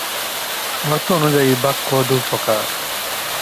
অর্থ অনুযায়ী বাক্য দুই প্রকার।